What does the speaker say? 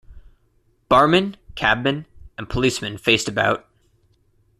Barman, cabman, and policeman faced about.